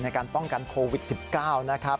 ในการป้องกันโควิด๑๙นะครับ